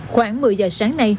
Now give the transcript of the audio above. khoảng một mươi giờ sáng nay